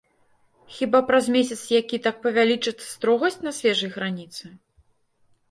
Хіба праз месяц які так павялічыцца строгасць на свежай граніцы?